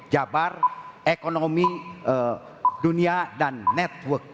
jabar ekonomi dunia dan network